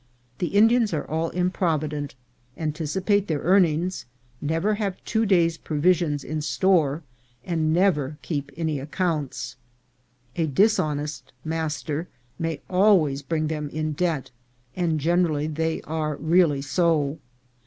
The Indians are all improv ident, anticipate their earnings, never have two days' provisions in store, and never keep any accounts. A dishonest master may always bring them in debt, and generally they are really so.